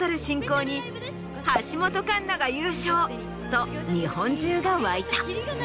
と日本中が沸いた。